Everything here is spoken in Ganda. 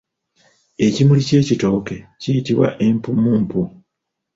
Ekimuli ky’ekitooke kiyitibwa empummumpu.